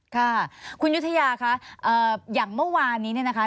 ค่ะคุณยุธยาคะอย่างเมื่อวานนี้เนี่ยนะคะ